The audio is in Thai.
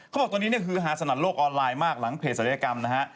เขาบอกตอนนี้เนี่ยคือฮาสนั่นโลกออนไลน์มากหลังเพจศัลยกรรมนะฮะ